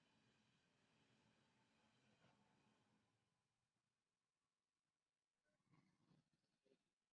Como su pariente el colibrí de Juan Fernández, nidifica en ramas altas o arbustos.